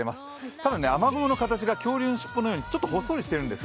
ただ雨雲の形が恐竜の尻尾のようにほっそりしているんですよ。